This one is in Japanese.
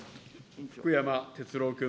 福山哲郎君。